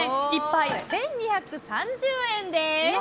１杯１２３０円です。